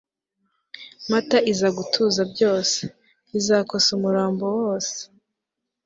mata iza gutuza byose, iza kosa umurambo wose